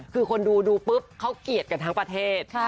คือคนดูดูปุ๊บเขาเกลียดกันทั้งประเทศ